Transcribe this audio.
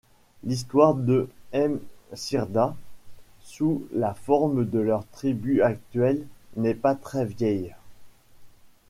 L'histoire de M'sirda sous la forme de leurs tribus actuels n'est pas très vieille.